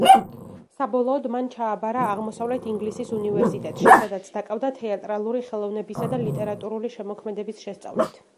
საბოლოოდ მან ჩააბარა აღმოსავლეთ ინგლისის უნივერსიტეტში, სადაც დაკავდა თეატრალური ხელოვნებისა და ლიტერატურული შემოქმედების შესწავლით.